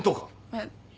えっ？